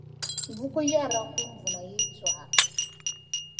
Buku yɛrla kurumbuna yɛltɔɣa.